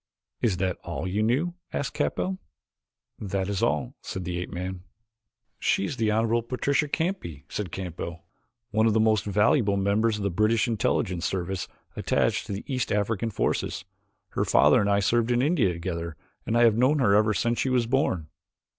"Is that all you knew?" asked Capell. "That is all," said the ape man. "She is the Honorable Patricia Canby," said Capell, "one of the most valuable members of the British Intelligence Service attached to the East African forces. Her father and I served in India together and I have known her ever since she was born.